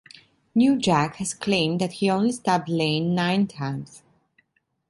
New Jack has claimed that he only stabbed Lane nine times.